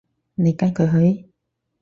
你跟佢去？